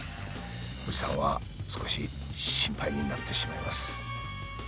おじさんは少し心配になってしまいます。